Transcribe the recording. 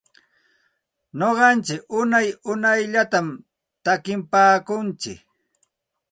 Nuqantsik unay unayllatam takinpaakuntsik.